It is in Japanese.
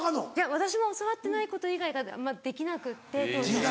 私も教わってないこと以外があんまできなくって当初。